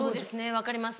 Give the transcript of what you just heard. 分かります